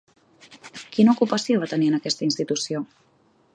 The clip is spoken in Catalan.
Quina ocupació va tenir en aquesta institució?